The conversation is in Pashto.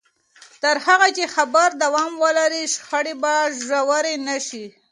تر هغه چې خبرې دوام ولري، شخړې به ژورې نه شي.